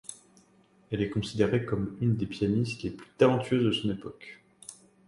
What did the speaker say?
Elle est considérée comme une des pianistes les plus talentueuses de son époque.